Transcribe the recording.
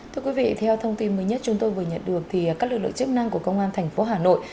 thưa quý vị theo thông tin mới nhất chúng tôi vừa nhận được thì các lực lượng chức năng của công an thành phố hà nội